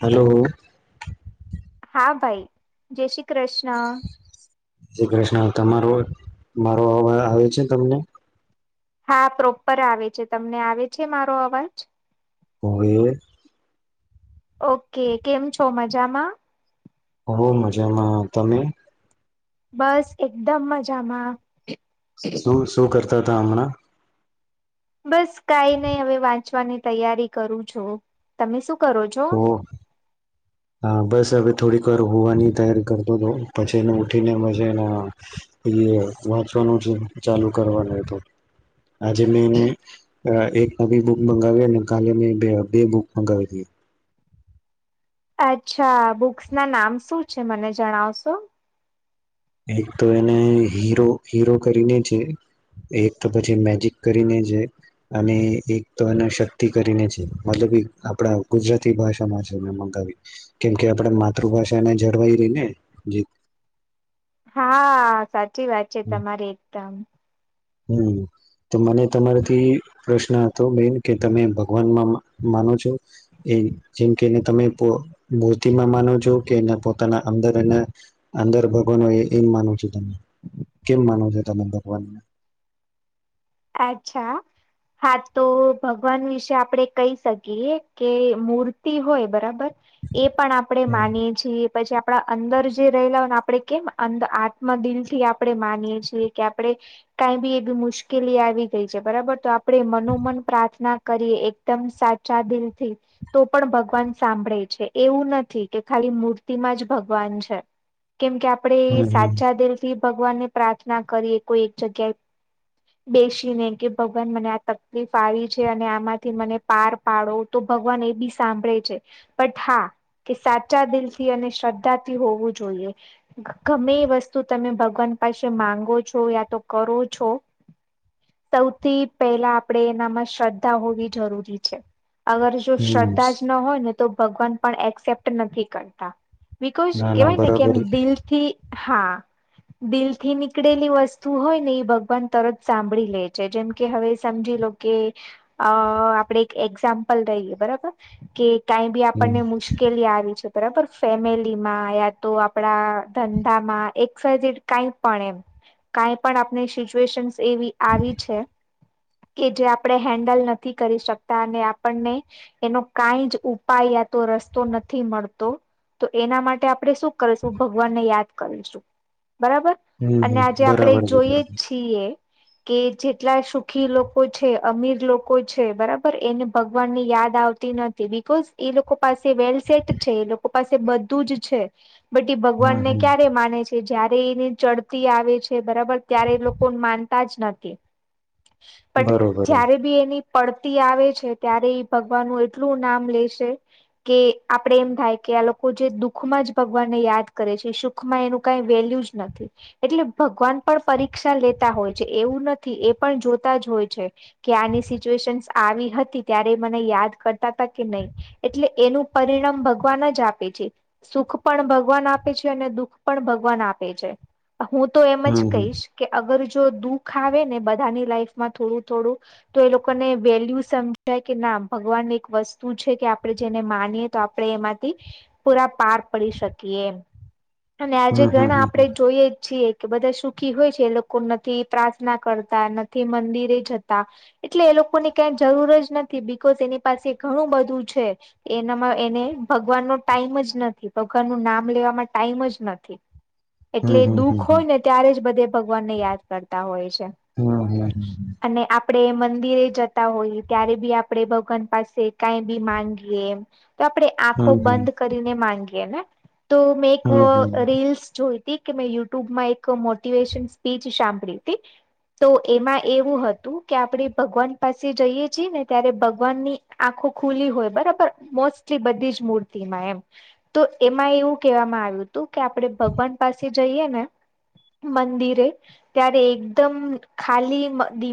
Hello. હા, ભાઈ. જય શ્રી કૃષ્ જ કૃષ્ણા. તમારો મારો અવાવ આવે છે તમને? હા પ્રોપર આવે છે. તમને આવે છે મારો અવાજ? હોય એવે ઓકે. કેમ છો મજામાં? હોવ. મજામાં. તમે? બસ એકદમ મજામાં. શું-શું કર તા હમણા બસ કાઈ નહી હવે વાંચવાની તૈયારી કરું છું. તમે શું કરો છો ઓહ! હા બસ હવે થોડીક વાર હુવાની તૈયારી કરતો તો. પછી એને ઉઠીને મજાય નો આવે. યે વાંચવાનું જ ચાલુ કરવાનું હોય તો. આજે મેં એને અહ એક [unintelligible] બુક મંગાવ્યે ને કાલે મેં બે-બે બુક મંગાવી તી. અચ્છા. બુક્સ ના નામ શું છે મને જણાવશો? એક તો એને હીરો-હીરો કરીને છે, એક તો પછી મેજિક કરીને છે, અને એક તો એને શક્તિ કરીને છે. મતલબ એક આપણા ગુજરાતી ભાષામાં છે મે મંગાવી, કેમ કે આપણે માતૃભાષા ને જળવાઈ રહે ને જે હા સાચ ચી વાત છે તમારી એકદમ. હમ્મ. તો મને તમારાથી પ્રશ્ન હતો મેન કે તમે ભગવાનમાં મા માનો છો? એ જેમ કે એને તમે પ મૂર્તિમાં માનો છો કે એના પોતાના અંદર એના અંદર ભગવાન હોય એમ માનો છો? કેમ માનો છે? તને ભગવાનને અચ્છા. હા તો ભગવાન વિશે આપડે કહી શકીએ કે મૂર્તિ હોય બરાબર એ પણ આપડે હમ માનીએ છીએ પછી આપણા અંદર જે રહેલા હોઈ ને આપણે કેમ અં આત્મ દિલ થી આપણે માનીએ છીએ કે આપણે કાઈ બી એક મુશ લી આવી ગઈ છે, બરાબર તો આપણે મનોમન પ્રાર્થના કરીએ એકદમ સાચા દિલથી તો પણ ભગવાન સાંભળે છે, એવું નથી કે ખાલી મૂર્તિમાં જ ભગવાન છે. કેમ કે આપડે હમ એ હમ સાચા દિલથી ભગવાન ને પ્રાર્થના કરીએ કોઈ એક જગ્યાએ બેસીને કે ભગવાન મને આ તકલીફ આવી છે, અને આમાંથી મને પાર પાડો, તો ભગવાન એ બી સાંભળે છે. બટ હા કે સાચા દિલથી અને શ્રદ્ધાથી હોવું જોઈએ. અહ ગમે એ વસ્તુ તમે ભગવાન પાસે માંગો છો યા તો કરો છો સૌથી પહેલા આપણેે એનામાં શ્રદ્ધા હોવી જરૂરી છે. અગર જો હમ શ્રદ્ધા જ ન હોય ને તો ભગવાન પણ એક્સેપ્ટ નથી કરતા. બિકોઝ ના ના કેવાય ને કે એમ બરાબર દિલ થી હા દિલ થી નીકળેલી વસ્તુ હોય ને એ ભગવાન તરત સાંભળી લે છે, જેમ કે હવે સમજી લો કે અહ આપણેે એક એક્ઝામ્પલ લઈએ બરબર કે કાઈ બી હમ આપણને મુશ્કેલી આવી છે બરાબર ફેમિલીમાં યા તો આપડા ધંધામાં એક્સ વાય ઝેડ કાઈ પણ એમ, કાઈ પણ આપણે શિશ વેશન્સ એવી આવી છે કે જે આપણે હેન્ડલ નથી કરી શકતા અને આપણને એનો કાઈ જ ઉપાય યા તો રસ્તો નથી મળતો, તો એના માટે આપણે શું કરશું? ભગવાનને યાદ કરીશું. બરાબર હમ અને હમ આજે આપડે બરાબર છે બરાબર જોઈએ. કે જેટલા સુખી લોકો છે, અમીર લોકો છે, બરાબર એને ભગવાન ની યાદ આવતી નથી, બિકોઝ એ લોકો પાસે વેલ સેટ છે એ લોકો પાસે બધું જ છે. બી, હમ ભગવાનને હમ ક્યારે માને છે જ્યારે ચડતી આવે છે, બરાબર ત્યારે લોકો પણ માનતા જ નથી. બટ બરોબર જ્યારે બી એની. પડતી આવે છે, ત્યારે એ ભગવાનનું એટલું નામ લે છે કે આપડે એમ થાય કે આ લોકો જે દુખમાં જ ભગવાનને યાદ કરે છે, સુખ માં એનું કઈ વેલ્યુ જ નથી‌. એટલે ભગવાન પણ પ રીક્ષા શિક્ષા લેતા હોય છે, એવું નથી એ પણ જોતા જ હોય છે કે આની સિચ્યુએશન આવી હતી ત્યારે મને યાદ કરતા હતા કે નહી, એટલે એનું પરિણામ ભગવાન જ આપે છે. સુખ પણ ભગવાન આપે છે અને દુઃખ પણ ભગવાન આપે છે. હું તો એમ જ હમ હમ કહીશ. અગર જો દુઃખ આવે ને, બધાની લાઈફમાં થોડું થોડું તો એ લોકોને વેલ્યુ સમજાય કે ના, ભગવાન એક વસ્તુ છે કે, આપણે જેને માનીએ તો આપણે એમાંથી પૂરા પાર પડી શકીએ. અને આજે હમ ઘણા હમ આપડે હમ જોઈએ છીએ. કે બધા સુખી હોય છે, એ લોકો નથી પ્રાર્થના કરતા નથી મંદિરે જતા, એટલે એ લોકોની કઈ જરૂર જ નથી બિકોઝ એની પાસે ઘણું બધું છે. એનામાં એને ભગવાન નો ટાઈમ જ નથી ભગવાન નું નામ લેવા માટે. ટાઈમ જ નથી. એટલે હમ હમ હમ દુઃખ હોય ને, ત્યારે જ બધે. ભગવાન ને યાદ કરતા હોય છે. હા હા હમ્મ હ. આપણે મંદિરે જતા હોઈ ત્યારે બી, આપણે ભગવાન પાસે કંઈ બી માંગીએ. તો આપણે આંખો હમ બંધ કરીને માંગીએ. તો મે હમ હમ હમ રીલસ જોઈ. કે મેં યુટ્યુબમાં એક મોટિવેશન સ્પીચ સાંભળી હતી તો એમાં એવું હતું કે, આપણે ભગવાન પાસે જઈએ છીએ ને ત્યારે ભગવાનની આંખો ખુલી હોય બરાબર, મોસ્ટલી બધી જ મૂર્તિમાં એમ તો એમાં એવું કહેવામાં આવ્યું. આપણે ભગવાન પાસે જઈએ ને મંદિરે ત્યારે એકદમ ખાલી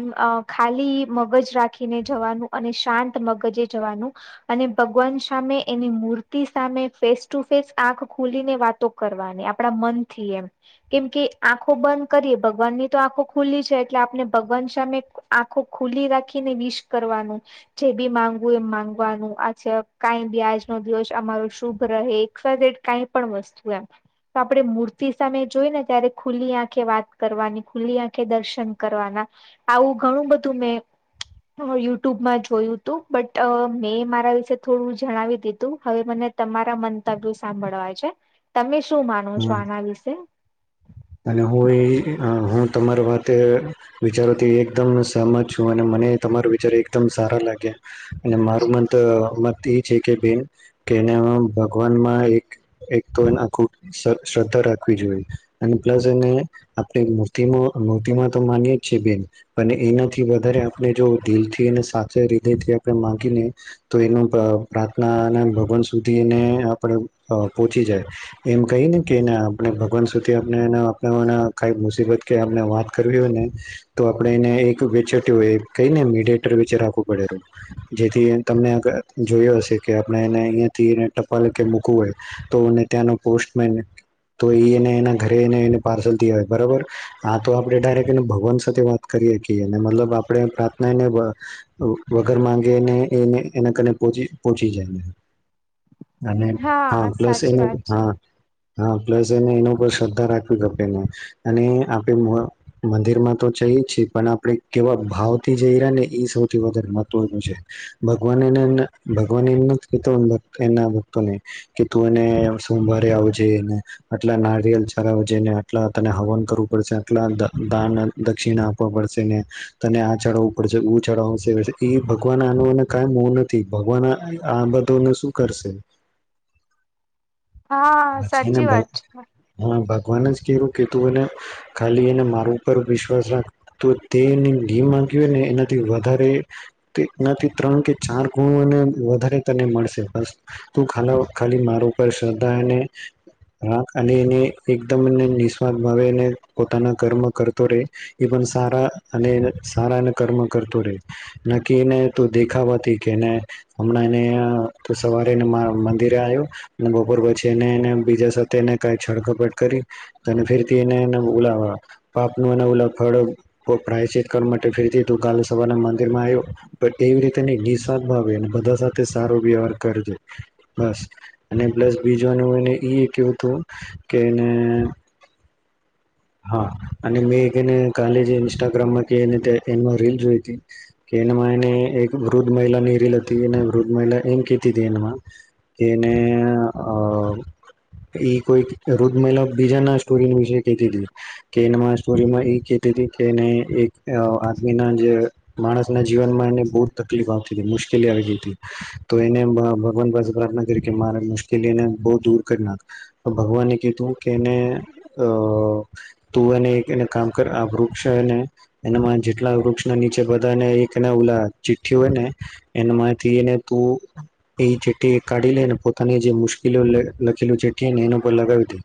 ખાલી મગજ રાખીને જવાનું, અને શાંત મગજે જવાનું, અને ભગવાન સામે એની મૂર્તિ સામે ફેસ ટુ ફેસ આંખ ખુલીને વાત. તો કરવાની આપણા મન થી એમ કેમ કે આંખો બંધ કરીએ ભગવાનની તો આંખો ખુલ્લી છે, એટલે આપણે ભગવાન સામે આંખો ખુલી રાખીને વિશે કરવાનું, જે બી માંગવું એમ માંગવાનું. આ કઈ બી આજનો દિવસ અમારો શુભ રહે કે કાંઈ પણ વસ્તુ. તો આપે મૂર્તિ સામે જોઈ ને ત્યારે ખુલ્લી આંખે વાત કરવાની, ખુલ્લી આંખે દર્શન કરવાના આવું ઘણું બધું મેં યુટ્યુબમાં જોયું હતું. બટ મેં મારા વિશે થોડું જણાવી દીધું, હવે મને તમારા મંતવ્યો સાંભળવા છે. તમે શું. શું માનું હમ છો આના વિશે? અ હું તમારી વાત વિચારોથી એકદમ સહમત છું, અને મને તમારો વિચાર એકદમ સારા લાગ્યા, અને મારું મત મત એ છે કે બેન કે એને ભગવાનમાં એક એક તો આખું શ્રદ્ધા રાખવી જોઈએ. અને પ્લસ એને આપણે મૂર્તિમાં, મૂર્તિમાં તો માનીએે જ છે બેન, પણ એનાથી વધારે આપણે જો દિલ થી સાચા હદયથી આપણે મા માંગીને તો એનો પ્રાર્થના ભગવાન સુધી એને આપણે પોહોંચી જાય એમ કહી ને કેને આપણે ભગવાન સુધી. કે અપનાવાના કાઈ મુસીબત કે આપણે વાત કરવી હોય ને તો આપણે એને એક વેચે હોય કે એને મીડટેર વચ્ચે રાખવું પડે, જેથી તમને જોયો હશે કે આપણે એને અહીંયા થી ટપાલ મૂકવું હોય તો ત્યાંનો પોસ્ટમેન તો એ ઘરેને એને પાર્સલ હોય બરાબર, આ તો આપણે ડાયરેક્ટ એ ભગવાન સાથે વાત કરીએ કેને, મતલબ આપણે પ્રાર્થના એને વગર માંગીને એને એના ધરે પોહચી જાય ને. અને હા, પ્લસ સાચી એના વાત હા. છે હા, પ્લસ એને ઇનોવેશન તારા અને આપે મંદિરમાં તો જઈએ છીએ, પણ આપણે કેવા ભાવ થી જઈએ ને એ સૌથી વધારે મહત્વનું છે, ભગવાને ભગવાને એમ નથી તો એના ભક્તોને કે તું એને સોમવારે આવજે એને આટલા નારિયેળ. બરાબર જઈને આટલા તને હવન કરવું પડશે, આટલા દાન દક્ષિણા આપવા પડશે ને તને આ ચડાવવું પડશે ચડાવું. ભગવાન આનો કોઈ મોહ નથી, ભગવાન આ બધોને શું કરશે? હા, પછી એને સાચી વાત છે. ભગવાન જ કેવુ કીધું ને ખાલી એને માર ઉપર વિશ્વાસ રાખ, તો તેનાથી માંગ્યુંને એનાથી વધારે, એનાથી ત્રણ કે ચાર ગુણોને વધારે તને મળશે, બસ તું ખા ખાલી માર ઉપર શ્રદ્ધા રાખ અને એને. એકદમ અને નિસ્વાત ભાવેને પોતાના કર્મ કરતો રહે, એ પણ સારા અને સારાને કર્મ કરતો રહેે. નક્કી એને દેખાવાથી કેને હમણાં એને સવારે મંદિરે આવ્યો, બપોર પછી એને બીજા સાથેને કે કાંઈ. પણ કરી તને ફરીથી એને એ ઉલા પાપનું એ ફળ પ્રાયચિત કરવા માટે ફરીથી તુ કાલે સવારે મંદિર માં આવ્યો, પણ એવી રીતે ની નિસ્વાર્થ ભાવે બધા સાથે સારો વ્યવહાર કરજે બસ, અને પ્લસ બીજુંના એવું કે કેને હા અને મેંને કાલે જે ઇન્સ્ટાગ્રામમાં કેને એ રીલ જોઈ હતી કે એમાં એને એક વૃદ્ધ મહિલાની રીલ હતી અને વૃદ્ધ મહિલા એમ કેતી હતી એમાં કેને અ ઈ કોઈ વૃદ્ધ મહિલા બીજા ના સ્ટોરી વિષ કેતી હતી. કે એનમા સ્ટોરીમાં એ કતી કે અ આદમી ના જ માણસને જીવનમાં એને બુ તકલીફ આ મુશ્કેલી આવી ગઈ હતી તો એને ભગવાન પાસે પ્રાર્થના કરી કે મારે મુશ્કેલીને બો દૂર કરનાર ભગવાને કીધું કે એને અ તુ [unintelligible] કામ કર આ વૃક્ષને એ જેટલા વૃક્ષના નીચે બધા ઉલા ચીઠ્ઠી હોય ને એમાંથી એને તું એ ચીઠ્ઠી કાઢી લે પોતાની જે મુશ્કેલી લખેલ ચીઠ્ઠી ને એના પર લગાવી દે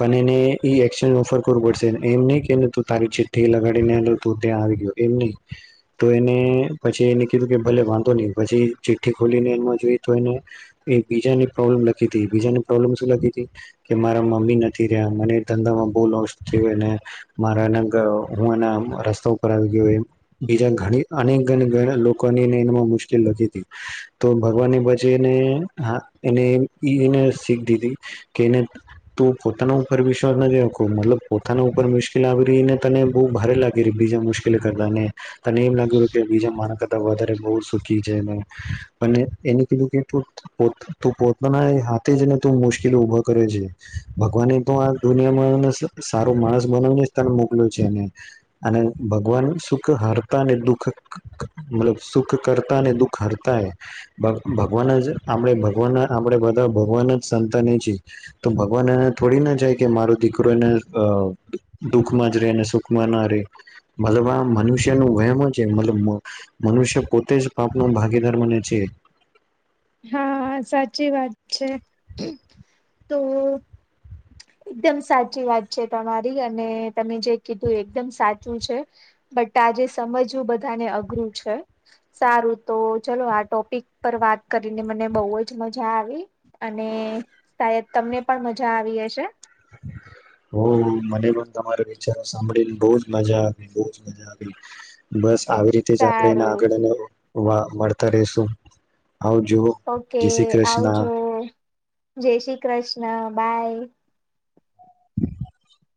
પણ એને ઈ એકશનઓફર પડશે એમ નહી કેને તું તારી ચિઠ્ઠી લગાડીને તું ત્યાં આવી ગયો એમ નહી તો એને પછી એને કીધું કે ભલે વાંધો નહી પછી ચિઠ્ઠી ખોલીને એમાં જોઈ તો એને બીજાને પ્રોબ્લેમ લખીતી બીજાને પ્રોબ્લેમ શું લખીતી કે મારા મમ્મી નથી રહ્યા મને ધંધામાં બો લો છે ને મારા એના હું એના રસ્તા ઉપર આવી ગયો બીજા ઘણી અનેક લોકોનીને એ મુશ્કેલ લાગી હતી તો ભગવાન [unintelligible] એનેને શીખ દીધી કે એને તું પોતાના ઉપર વિશ્વાસ નથી રાખ મતલબ પોતાના ઉપર મુશ્કેલ આવીને તને બોવ ભારે લાગી બીજા મુશ્કેલ કરતા ને તને એમ લાગ્યું કે બીજા મારા ક વધારે બોવ સુખી છે ને એને કીધું કે તુ તો પોતાના હાથે જ ને તું મુશ્કેલી ઉભા કરે છે ભગવાને તો આ દુનિયામાં સારો માણસ બનાવીને સ્થને મોકલ છેને અને ભગવાન સુખ હરતા ને દુખ મતલબ સુખ કરતા ને દુઃખ હરતા એ ભગવાન જ આપણે ભગવાન આપણે બધા ભગવાન જ સંતાનેએ છીએ તો ભગવાન એને થોડી ના જાય કે મારો દીકરો એને અ દુઃખમાં જ રે અને સુખમાં ના રહે મતલબ આ મનુષ્ય નુ વહેમ છે મતલબ મનુષ્ય પોતે જ પાપનો ભાગીદાર મને છે. હા સાચી વાત છે તો એકદમ સાચી વાત છે તમારી અને તમે જે કીધું એકદમ સાચું છે બટ આજે સમજવું બધાને અઘરું છે સારું તો ચલો આ ટોપિક પર વાત કરીને મને બોવ જ મજા આવી અને સાયદ તમને પણ મજા આવી હશે. [unintelligible] ઓ મને પણ તમારા વિચારો સાંભળીને બો જ મજા આવી બો જ મજા આવી બસ આવી રીતે જ આપણે એને સારું આગળને વા મળતા રેશું આવ જો ઓકે જય શ્રી કૃષ્ણ આવજો જય શ્રી કૃષ્ણ બાય [inaudible]